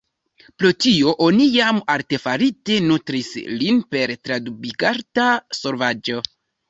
Pro tio oni jam artefarite nutris lin per tratubigata solvaĵo.